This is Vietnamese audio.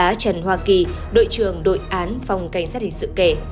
bá trần hoa kỳ đội trường đội án phòng canh sát hình sự kể